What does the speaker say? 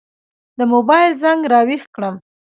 د موبایل زنګ را وېښ کړم.